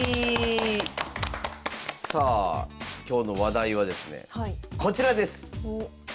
さあ今日の話題はですねこちらです。